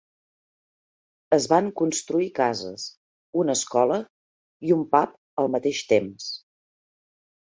Es van construir cases, una escola i un pub al mateix temps.